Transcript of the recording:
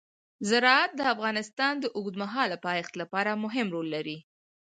زراعت د افغانستان د اوږدمهاله پایښت لپاره مهم رول لري.